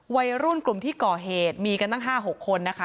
วัยรุ่นกลุ่มที่ก่อเหตุมีกันตั้ง๕๖คนนะคะ